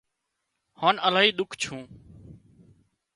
هانَ الاهي ۮُک ڇُون